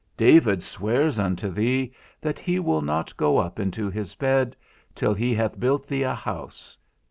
David swears unto thee, that he will not go up into his bed, till he had built thee a house.